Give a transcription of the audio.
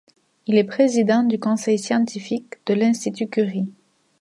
Il est président du Conseil scientifique de l'Institut Curie.